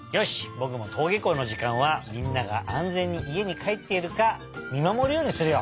ぼくもとうげこうのじかんはみんながあんぜんにいえにかえっているかみまもるようにするよ。